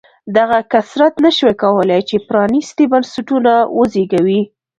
دغه کثرت نه شوای کولای چې پرانېستي بنسټونه وزېږوي.